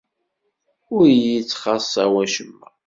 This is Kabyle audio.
Ur iy-ittxaṣṣa wacemma.